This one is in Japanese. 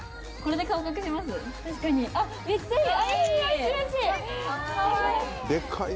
めっちゃいい。